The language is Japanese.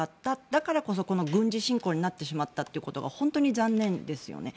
だからこそ軍事侵攻になってしまったということが本当に残念ですよね。